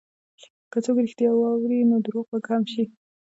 که څوک رښتیا واوري، نو دروغ به کم شي.